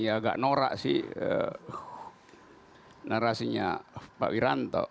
ya agak norak sih narasinya pak wiranto